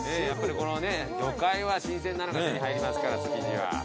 やっぱりこの魚介は新鮮なのが手に入りますから築地は。